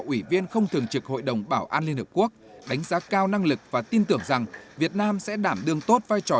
ủy viên không thường trực hội đồng bảo an liên hợp quốc đánh giá cao năng lực và tin tưởng rằng việt nam sẽ đảm đương tốt vai trò